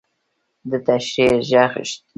د نشریح ږغ نشته